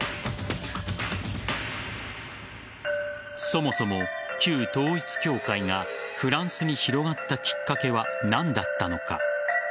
そもそも旧統一教会がフランスに広まったきっかけは何だったのか。